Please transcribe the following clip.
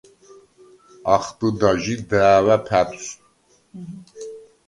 ახბჷდა ჟი და̄̈ვა̈ ფა̈თვს.